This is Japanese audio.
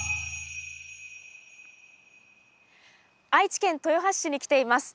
愛知県豊橋市に来ています。